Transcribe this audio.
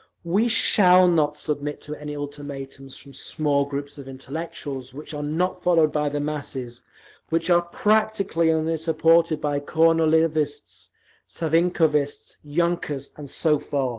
… We shall not submit to any ultimatums from small groups of intellectuals which are not followed by the masses, which are PRACTICALLY only supported by Kornilovists, Savinkovists, yunkers, and so forth….